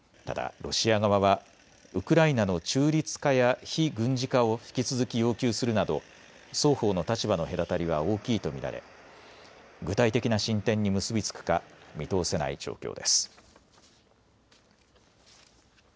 ただ、ロシア側はウクライナの中立化や非軍事化を引き続き要求するなど双方の立場の隔たりは大きいと見られ具体的な進展に結び付くか見通せない状況です。